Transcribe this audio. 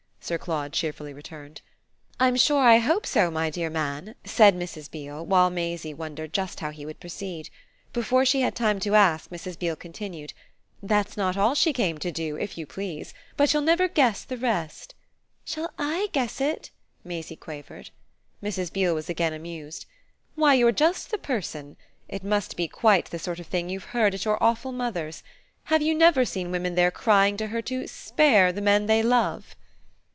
Sir Claude cheerfully returned. "I'm sure I hope so, my dear man," said Mrs. Beale, while Maisie wondered just how he would proceed. Before she had time to ask Mrs. Beale continued: "That's not all she came to do, if you please. But you'll never guess the rest." "Shall I guess it?" Maisie quavered. Mrs. Beale was again amused. "Why you're just the person! It must be quite the sort of thing you've heard at your awful mother's. Have you never seen women there crying to her to 'spare' the men they love?"